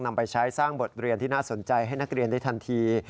นำไปใช้สร้างบทเรียนที่น่าสนใจให้นักเรียนได้ทันที